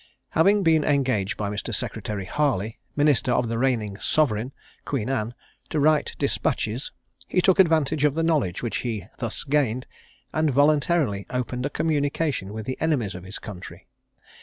Having been engaged by Mr. Secretary Harley, minister of the reigning sovereign, Queen Anne, to write despatches, he took advantage of the knowledge which he thus gained, and voluntarily opened a communication with the enemies of his country.